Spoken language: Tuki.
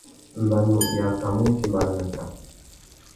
Mbanu i akamú utimbāna nà tang.